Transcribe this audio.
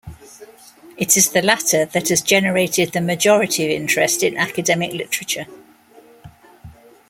It is the latter that has generated the majority of interest in academic literature.